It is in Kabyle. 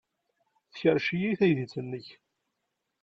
Tkerrec-iyi teydit-nnek.